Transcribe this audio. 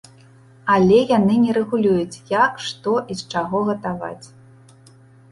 Але яны не рэгулююць як, што і з чаго гатаваць.